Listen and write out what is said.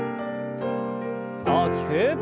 大きく。